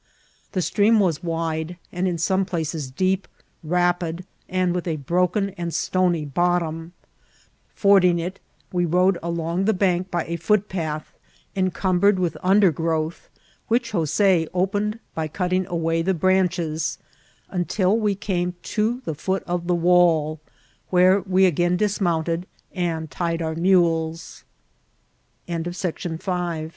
The stream was wide, and in some places deep, rapid, and with a broken and stony bottom. Fording it, we rode along the bank by a footpath encumbered with undergrowth, which Jose opened by cutting away the branches, until we came to the foot of the wbII, where we again dismo